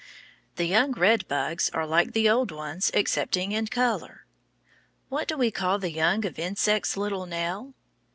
The young red bugs are like the old ones, excepting in color. What do we call the young of insects, little Nell?